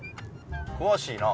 詳しいな。